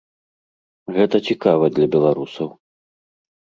Гэта цікава для беларусаў.